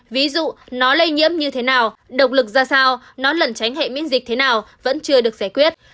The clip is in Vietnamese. ví dụ nó lây nhiễm như thế nào động lực ra sao nó lẩn tránh hệ miễn dịch thế nào vẫn chưa được giải quyết